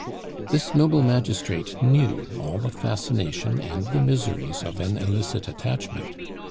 This noble magistrate knew all the fascination and the miseries of an illicit attachment.